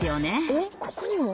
えっここにも？